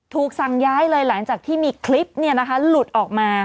สั่งย้ายเลยหลังจากที่มีคลิปหลุดออกมา